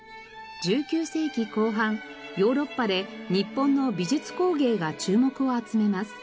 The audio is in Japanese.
１９世紀後半ヨーロッパで日本の美術工芸が注目を集めます。